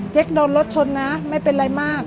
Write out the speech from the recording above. โดนรถชนนะไม่เป็นไรมาก